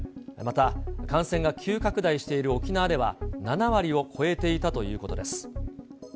また、感染が急拡大している沖縄では、７割を超えていたということです。